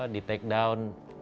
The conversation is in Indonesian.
di take down